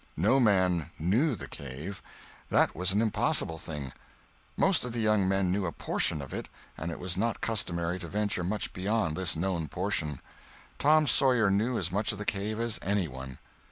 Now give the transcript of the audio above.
No man "knew" the cave. That was an impossible thing. Most of the young men knew a portion of it, and it was not customary to venture much beyond this known portion. Tom Sawyer knew as much of the cave as any one.